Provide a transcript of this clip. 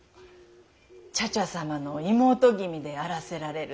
茶々様の妹君であらせられるそうで。